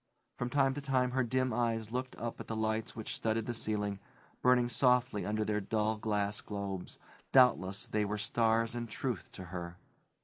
From time to time her dim eyes looked up at the lights which studded the ceiling, burning softly under their dull glass globes; doubtless they were stars in truth to her.